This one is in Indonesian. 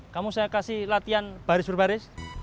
kamu saya kasih latihan baris baris